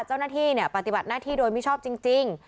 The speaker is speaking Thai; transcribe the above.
เจ้าหน้าที่ปฏิบัติหน้าที่โดยมิชอบจริง